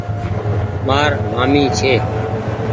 مآر مآمي ڇي ۔